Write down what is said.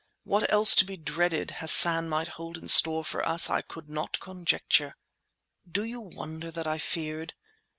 What else to be dreaded Hassan might hold in store for us I could not conjecture. Do you wonder that I feared?